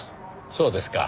そうですか。